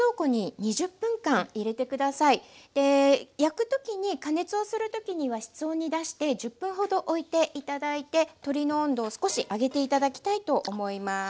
で焼く時に加熱をする時には室温に出して１０分ほどおいて頂いて鶏の温度を少し上げて頂きたいと思います。